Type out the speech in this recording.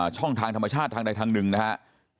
ช่องทางธรรมชาติทางใดทางหนึ่งนะครับ